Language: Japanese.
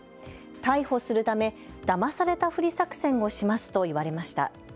逮捕するためだまされたふり作戦をしますと言われました。